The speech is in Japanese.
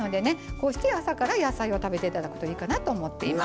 こうして朝から野菜を食べて頂くといいかなと思っています。